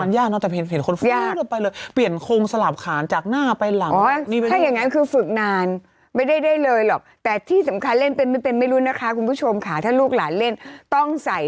มันต้องประลานย่างเนาะแต่เห็นคนฟื้นเราไปเลย